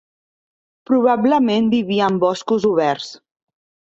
Probablement vivia en boscos oberts.